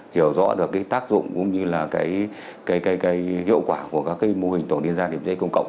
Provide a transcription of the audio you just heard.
hiểu rõ được cái tác dụng cũng như là cái hiệu quả của các mô hình tổ liên gia đến chữa cháy công cộng